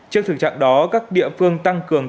trước thực trạng đó các địa phương tăng cường